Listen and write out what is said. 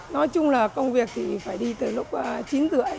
nói chung là công việc thì phải đi từ lúc chín h ba mươi